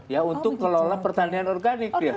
ya untuk kelola pertanian organik